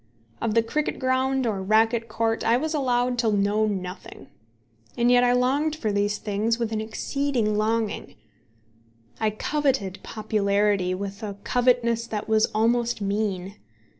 Of the cricket ground or racket court I was allowed to know nothing. And yet I longed for these things with an exceeding longing. I coveted popularity with a covetousness that was almost mean.